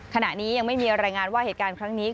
ขณะนี้ยังไม่มีรายงานว่าเหตุการณ์ครั้งนี้